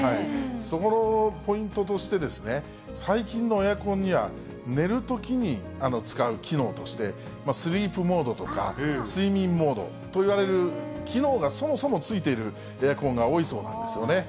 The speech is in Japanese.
そこのポイントとしてですね、最近のエアコンには、寝るときに使う機能として、スリープモードとか、睡眠モードといわれる機能がそもそもついているエアコンが多いそうなんですね。